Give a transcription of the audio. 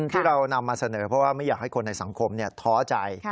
ที่เรานำมาเสนอเพราะว่าไม่อยากให้คนในสังคมท้อใจ